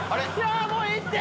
もういいって！